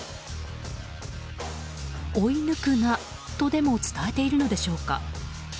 追い抜くなとでも伝えているのでしょうか。